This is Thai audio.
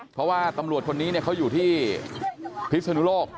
เพราะว่าตำรวจคนนี้เขาอยู่ที่พิศนุโลก